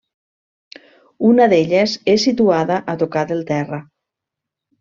Una d’elles és situada a tocar del terra.